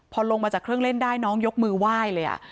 พอลงมาจากเครื่องเล่นได้น้องยกมือไหว้เลย